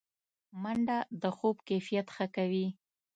منډه د خوب کیفیت ښه کوي